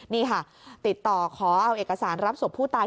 นี่ค่ะติดต่อขอเอาเอกสารรับศพผู้ตาย